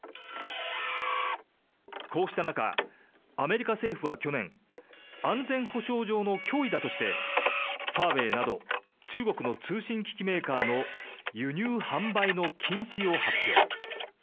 こうした中アメリカ政府は去年安全保障上の脅威だとしてファーウェイなど中国の通信機器メーカーの輸入・販売の禁止を発表。